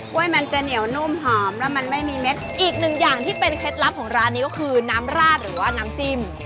้วยมันจะเหนียวนุ่มหอมแล้วมันไม่มีเม็ดอีกหนึ่งอย่างที่เป็นเคล็ดลับของร้านนี้ก็คือน้ำราดหรือว่าน้ำจิ้ม